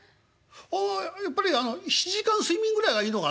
「ああやっぱり７時間睡眠ぐらいがいいのかな？